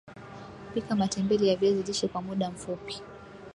Pika matembele ya viazi lishe kwa muda mfupi